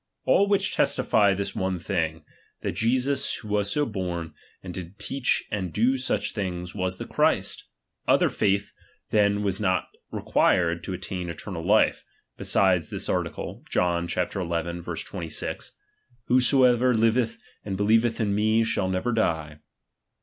All which testify this one thing ; that Jesus who was so born, and did teach and do siich things, was the Christ. Other faith then was not required to attain eternal life, besides this article, John xi. 26 : Whosoever liveth and hclieveth in me, shall never die.